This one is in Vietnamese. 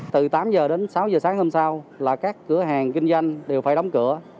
từ tám h đến sáu h sáng hôm sau là các cửa hàng kinh doanh đều phải đóng cửa